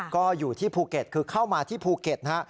ก็อยู่ที่ภูเก็ตคือเข้ามาที่ภูเก็ตนะฮะ